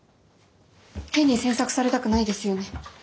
変に詮索されたくないですよね。